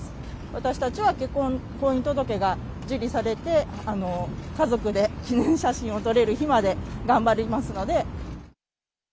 私たちは婚姻届が受理されて、家族で記念写真を撮れる日まで頑張りますので。